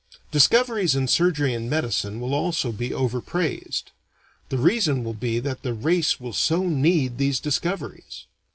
Discoveries in surgery and medicine will also be over praised. The reason will be that the race will so need these discoveries.